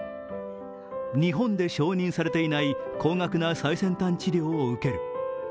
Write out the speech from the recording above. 日本で承認れていない高額な最先端治療を受ける。